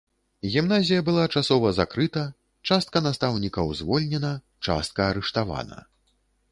Гімназія была часова закрыта, частка настаўнікаў звольнена, частка арыштавана.